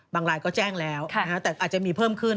รายก็แจ้งแล้วแต่อาจจะมีเพิ่มขึ้น